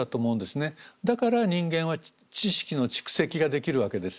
だから人間は知識の蓄積ができるわけです。